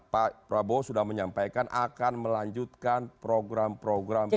pak prabowo sudah menyampaikan akan melanjutkan program program